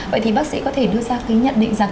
vậy thì bác sĩ có thể đưa ra cái nhận định rằng